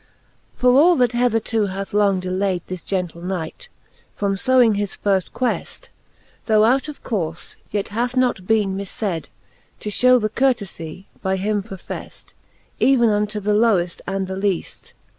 II. For all that hetherto hath long delayd This gentle Knight, from fewing his firft queft, Though out of courfe, yet hath not bene mif fayd. To ftiew the courtefie by him profeft, Even unto the loweft and the leaft.